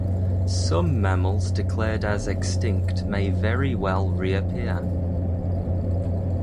Some mammals declared as extinct may very well reappear.